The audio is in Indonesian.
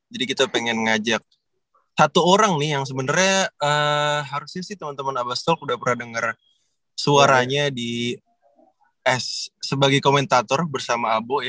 jadi kita pengen ngajak satu orang nih yang sebenarnya harusnya sih teman teman abastok udah pernah denger suaranya sebagai komentator bersama abo ya